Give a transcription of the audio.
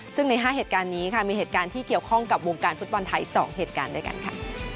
ซึ่งใน๕เหตุการณ์นี้ค่ะมีเหตุการณ์ที่เกี่ยวข้องกับวงการฟุตบอลไทย๒เหตุการณ์ด้วยกันค่ะ